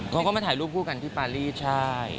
เขาก็มาถ่ายรูปคู่กันที่ปารีสใช่